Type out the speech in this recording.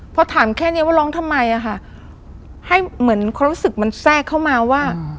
พอถามแค่เนี้ยว่าร้องทำไมอะค่ะให้เหมือนความรู้สึกมันแทรกเข้ามาว่า